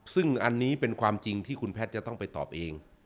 ซึ่งอันนี้เป็นความจริงที่คุณแพทย์จะต้องไปตอบเอง